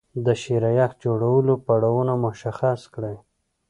د شیریخ جوړولو پړاوونه مشخص کړئ.